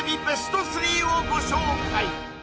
ベスト３をご紹介